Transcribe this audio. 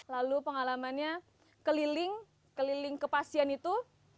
lalu pengalamannya keliling keliling ke pasien itu